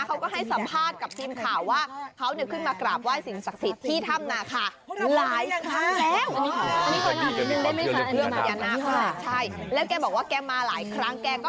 เขาก็ให้สัมภาษณ์กับทีมข่าวว่าเขาเนี่ยขึ้นมากราบไห้สิ่งศักดิ์สิทธิ์ที่ถ้ำนาคาหลายครั้งแล้ว